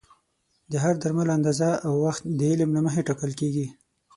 د هر درمل اندازه او وخت د علم له مخې ټاکل کېږي.